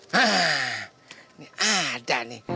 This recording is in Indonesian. hah ini ada nih